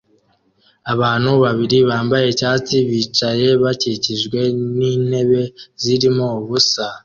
Abantu babiri bambaye icyatsi baricaye bakikijwe n'intebe zirimo ubusa